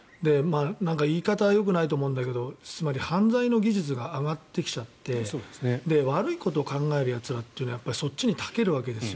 言い方よくないと思うんだけどつまり犯罪の技術が上がってきちゃって悪いことを考えるやつらっていうのはそっちに長けるわけですよ。